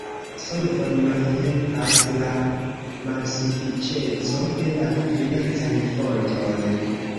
Solvon malhelpas la malsufiĉeco de la financaj fontoj.